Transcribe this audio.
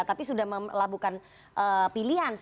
tapi sudah melakukan pilihan